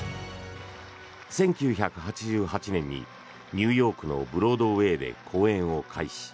１９８８年にニューヨークのブロードウェーで公演を開始。